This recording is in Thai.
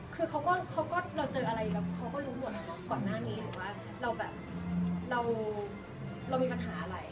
คือเราเจออะไรเขาก็รู้หมดแล้วว่าก่อนหน้านี้หรือว่าเรามีปัญหาอะไร